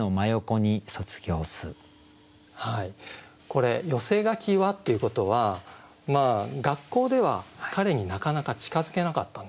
これ「寄せ書きは」っていうことは学校では彼になかなか近づけなかったんですよ。